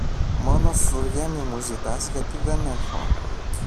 Μόνο φλουριά μη μου ζητάς γιατί δεν έχω.